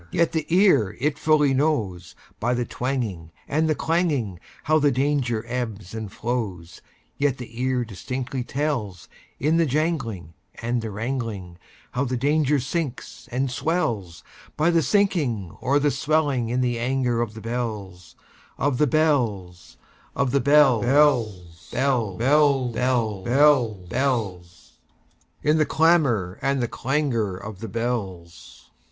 Yet the ear it fully knows, By the twangingAnd the clanging, How the danger ebbs and flows; Yet the ear distinctly tells, In the janglingAnd the wrangling, How the danger sinks and swells,—By the sinking or the swelling in the anger of the bells, Of the bells, Of the bells, bells, bells, bells, Bells, bells, bells—In the clamor and the clangor of the bells!